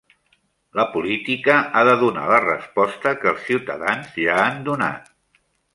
La política ha de donar la resposta que els ciutadans ja han donat